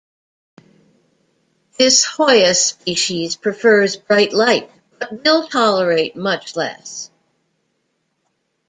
This "Hoya" species prefers bright light, but will tolerate much less.